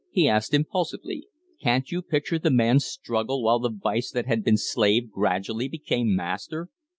he asked, impulsively. "Can't you picture the man's struggle while the vice that had been slave gradually became master?"